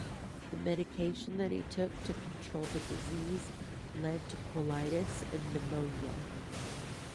The medication that he took to control the disease led to colitis and pneumonia.